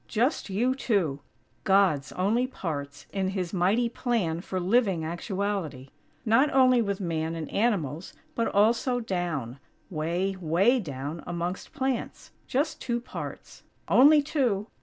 Just you two! God's only parts in His mighty plan for living actuality. Not only with Man and animals, but also down, way, way down amongst plants. Just two parts. Only two!!